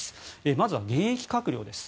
まずは現役閣僚です。